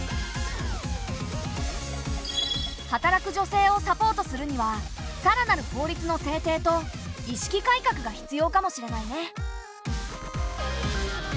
働く女性をサポートするにはさらなる法律の制定と意識改革が必要かもしれないね。